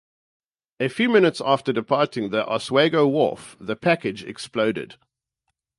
A few minutes after departing the Oswego wharf, the package exploded.